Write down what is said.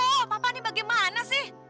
oh papa ini bagaimana sih